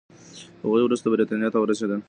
هغوی وروسته بریتانیا ته ورسېدل.